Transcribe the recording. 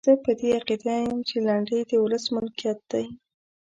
زه په دې عقیده یم چې لنډۍ د ولس ملکیت دی.